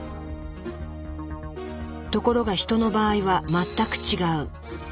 ところがヒトの場合は全く違う。